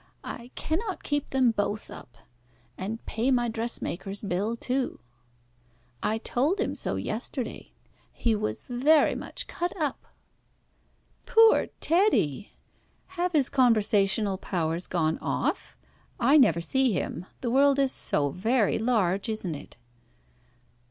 I cannot keep them both up, and pay my dressmaker's bill too. I told him so yesterday. He was very much cut up." "Poor Teddy! Have his conversational powers gone off? I never see him. The world is so very large, isn't it?"